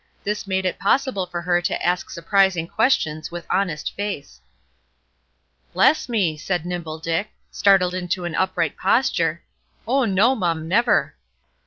This made it possible for her to ask surprising questions with honest face. "Bless me!" said Nimble Dick, startled into an upright posture; "oh, no, mum, never."